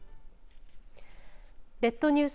列島ニュース。